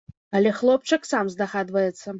Але хлопчык сам здагадваецца.